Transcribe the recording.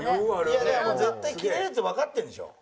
だから絶対キレるってわかってるんでしょ。